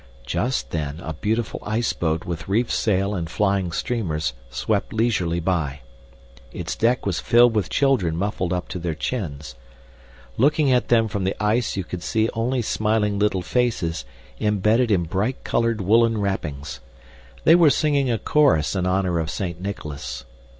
Just then a beautiful iceboat with reefed sail and flying streamers swept leisurely by. Its deck was filled with children muffled up to their chins. Looking at them from the ice you could see only smiling little faces imbedded in bright colored woolen wrappings. They were singing a chorus in honor of Saint Nicholas.